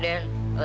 di dari panda